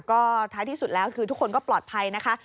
ก็ท้ายที่สุดแล้วคือทุกคนก็ปลอดภัยนะคะ